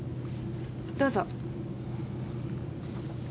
どうぞ。